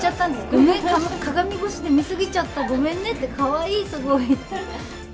ごめん、鏡越しで見過ぎちゃった、ごめんねって、かわいい、すごい。